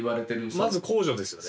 まず公助ですよね。